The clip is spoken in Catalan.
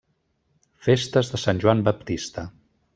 Festes de Sant Joan Baptista.